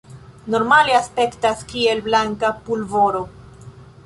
Normale aspektas kiel blanka pulvoro.